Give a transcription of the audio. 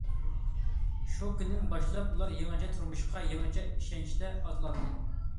شۇ كۈندىن باشلاپ ئۇلار يېڭىچە تۇرمۇشقا يېڭىچە ئىشەنچتە ئاتلاندى.